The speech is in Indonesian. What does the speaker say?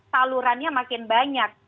salurannya makin banyak